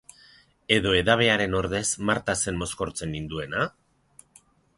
Edo edabearen ordez Marta zen mozkortzen ninduena?